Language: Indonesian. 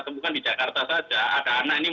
temukan di jakarta saja ada anak ini